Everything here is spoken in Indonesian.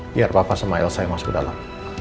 biar papa sama elsa yang masuk ke dalam